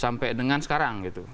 sampai dengan sekarang gitu